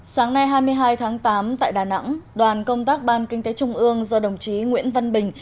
sáng nay hai mươi hai tháng tám tại đà nẵng đoàn công tác ban kinh tế trung ương do đồng chí nguyễn văn bình